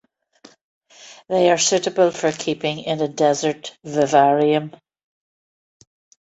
They are suitable for keeping in a desert vivarium.